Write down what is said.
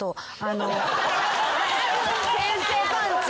先制パンチ。